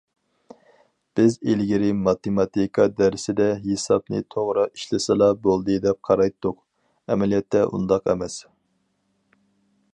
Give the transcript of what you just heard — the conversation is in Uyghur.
بىز ئىلگىرى ماتېماتىكا دەرسىدە ھېسابنى توغرا ئىشلىسىلا بولدى، دەپ قارايتتۇق، ئەمەلىيەتتە، ئۇنداق ئەمەس.